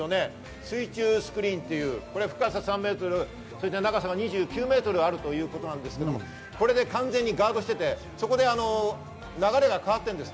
水中スクリーンという深さ３ｍ、長さ２９ｍあるということですが、完全にガードしていて流れが変わっているんです。